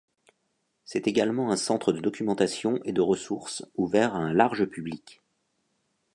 C'est également un centre de documentation et de ressources ouvert à un large public.